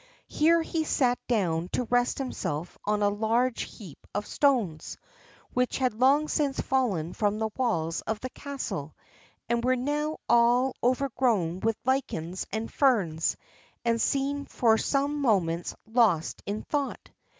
Here he sat down to rest himself on a large heap of stones which had long since fallen from the walls of the castle, and were now all overgrown with lichens and ferns, and seemed for some moments lost in thought.